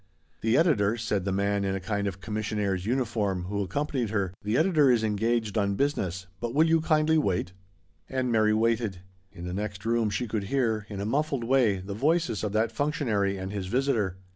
" The editor," said the man in a kind of commissionaire's uniform, who accompanied her, " the editor is engaged on business, but will you kindly wait ?" And Mary waited. In the next room, she could hear, in a muffled way, the voices of 140 THE STORY OF A MODERN WOMAN. that functionary and his visitor.